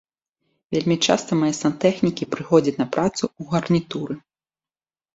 Вельмі часта мае сантэхнікі прыходзяць на працу ў гарнітуры.